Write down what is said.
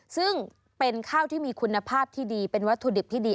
ซึ่งเป็นข้าวที่มีคุณภาพที่ดีเป็นวัตถุดิบที่ดี